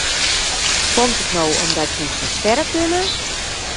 Komt it no omdat jim sa sterk binne?